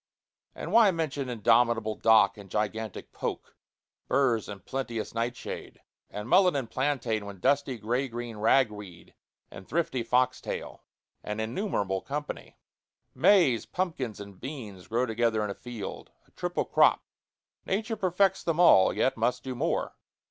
And why mention indomitable dock and gigantic poke, burrs and plenteous nightshade, and mullein and plantain, with dusty gray green ragweed and thrifty fox tail? an innumerable company. Maize, pumpkins, and beans grow together in a field a triple crop. Nature perfects them all, yet must do more.